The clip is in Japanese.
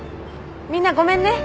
みんなごめんね。